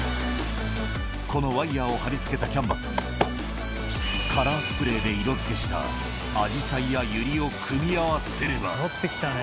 このワイヤーを張り付けたキャンバスに、カラースプレーで色づけしたアジサイやユリを組み合わせれば。